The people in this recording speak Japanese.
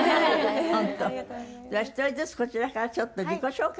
１人ずつこちらからちょっと自己紹介